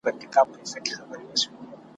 جهاني کړي غزلونه د جانان په صفت ستړي ,